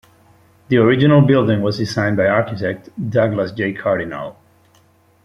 The original building was designed by architect Douglas J. Cardinal.